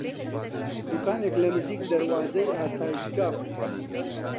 دووکانێک لە نزیک دەروازەی ئاسایشگا بوو